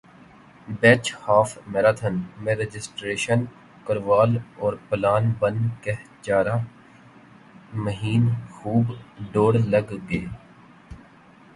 بیچ half marathon میں registration کروال اور پلان بن کہہ چارہ مہین خوب دوڑ لگ گے